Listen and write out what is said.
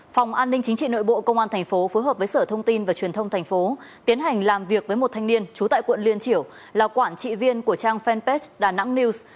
phòng an ninh chính trị nội bộ công an thành phố phối hợp với sở thông tin và truyền thông thành phố tiến hành làm việc với một thanh niên trú tại quận liên triểu là quản trị viên của trang fanpage đà nẵng news